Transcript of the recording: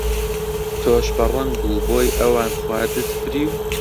تۆش بە ڕەنگ و بۆی ئەوان خواردت فریو؟